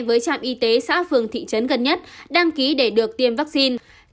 với trạm y tế xã phường thị trấn gần nhất đăng ký để được tiêm vaccine